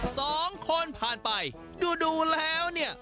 สองคนผ่านไปดูดูแล้วเนี่ย